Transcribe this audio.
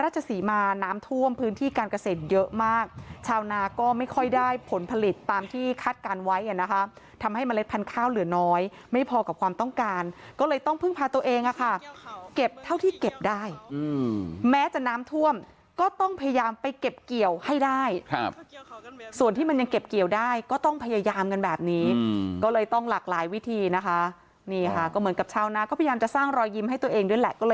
ชาวนาก็พยายามจะสร้างอารมณ์ขันสร้างรอยยิ้มให้ตัวเอง